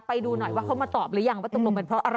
ไปดูหน่อยว่าเขามาตอบหรือยังว่าตกลงเป็นเพราะอะไร